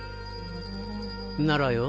ならよ